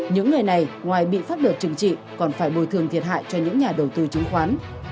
những người này ngoài bị pháp luật trừng trị còn phải bồi thường thiệt hại cho những nhà đầu tư chứng khoán